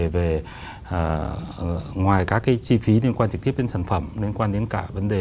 vấn đề ngoài các cái chi phí liên quan trực tiếp đến sản phẩm liên quan đến cả vấn đề